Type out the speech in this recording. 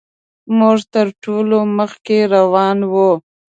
موږ تر ټولو مخکې روان وو.